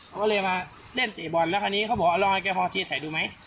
เขาก็เลยมาเล่นเตะบอลแล้วคราวนี้เขาบอกเอาลองให้แกพอเทใส่ดูไหม